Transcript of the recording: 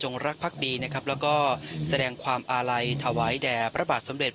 จงรักภักดีและแสดงความอาลัยถวายแด่พระบาทสำเร็จ